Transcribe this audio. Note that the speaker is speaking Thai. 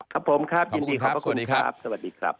ครับผมครับยินดีครับสวัสดีครับ